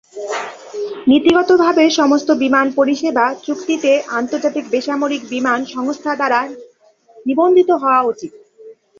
নীতিগতভাবে সমস্ত বিমান পরিসেবা চুক্তিতে আন্তর্জাতিক বেসামরিক বিমান সংস্থা দ্বারা নিবন্ধিত হওয়া উচিত।